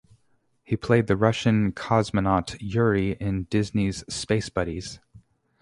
He played the Russian Cosmonaut 'Yuri' in Disney's "Space Buddies".